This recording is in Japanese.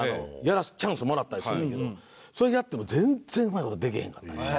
チャンスもらったりするんやけどそれやっても全然うまい事できへんかった。